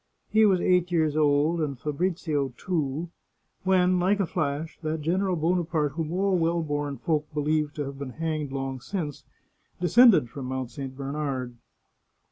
He was eight years old, and Fabrizio two, when, like a flash, that General Bonaparte whom all well born folk believed to have been hanged long since, descended from Mount St. Bernard.